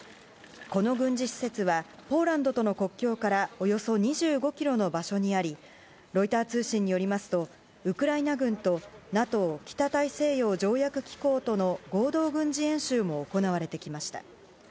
この軍事施設はポーランドとの国境からおよそ２５ｋｍの場所にありロイター通信によりますとウクライナ軍とＮＡＴＯ・北大西洋条約機構との合同軍事演習も行われてきました。